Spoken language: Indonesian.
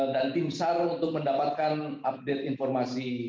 dan tim sar untuk mendapatkan update informasi